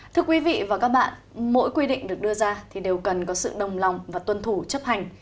thưa quý vị và các bạn mỗi quy định được đưa ra thì đều cần có sự đồng lòng và tuân thủ chấp hành